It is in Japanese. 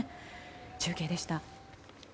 中継でした。